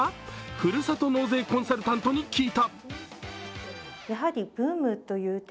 ふるさと納税コンサルタントに聞いた。